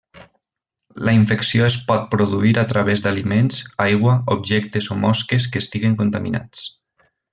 La infecció es pot produir a través d'aliments, aigua, objectes o mosques que estiguen contaminats.